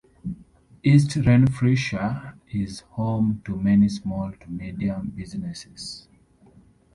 East Renfrewshire is home to many small to medium businesses.